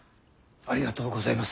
ありがとうございます。